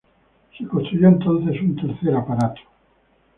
Se construyó entonces un tercer aparato.